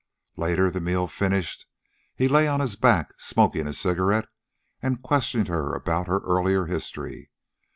Later, the meal finished, he lay on his back, smoking a cigarette, and questioned her about her earlier history.